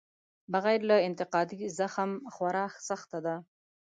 بغیر له انتقادي زغم خورا سخته ده.